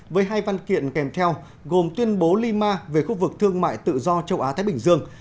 với hai văn kiện kèm theo gồm tuyên bố lima về khu vực thương mại tự do châu á thái bình dương